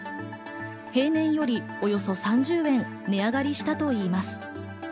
平年よりおよそ３０円値上がりしたといいます。